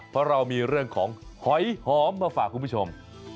เพราะเรามีเรื่องของหอยหอมมาฝากคุณผู้ชม